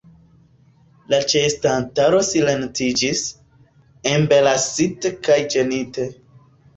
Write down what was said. La ĉeestantaro silentiĝis, embarasite kaj ĝenite.